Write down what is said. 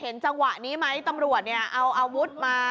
เห็นจังหวะนี้ไหมตำรวจเอาอาวุธมา